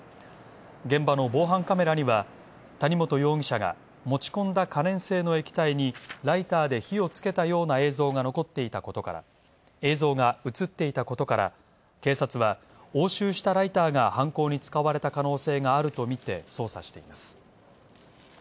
現場の防犯カメラには、谷本容疑者が持ち込んだ可燃性の液体にライターで火をつけたような映像が映っていたことから、警察は押収したライターが犯行に使われた可能性があるとみて捜査しています。